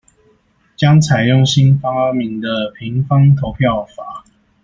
將採用新發明的「平方投票法」